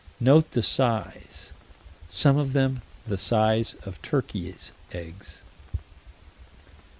Note the size "some of them the size of turkeys' eggs."